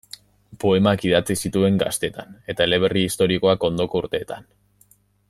Poemak idatzi zituen gaztetan, eta eleberri historikoak ondoko urteetan.